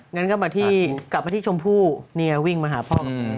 งั้นก็กลับมาที่ชมพู่เนียวิ่งมาหาพ่อ